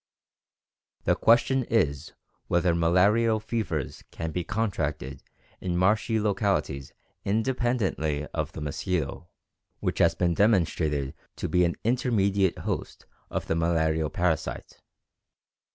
The question is whether malarial fevers can be contracted in marshy localities independently of the mosquito, which has been demonstrated to be an intermediate host of the malarial parasite?